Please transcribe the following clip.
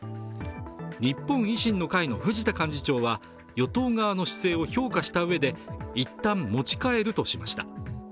日本維新の会の藤田幹事長は与党側の姿勢を評価したうえでいったん持ち帰るとしました。